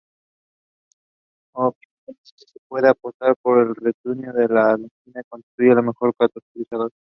Opcionalmente se puede optar por rutenio en alúmina que constituyen un mejor catalizador.